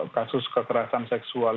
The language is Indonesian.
kasus kekerasan seksual